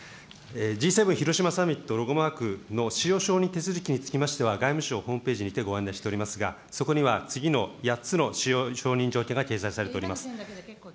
Ｇ７広島サミットロゴマークの使用承認手続きにつきましては、外務省ホームページにてご案内しておりますが、そこには、次の８つの使用承認条件が掲載されております。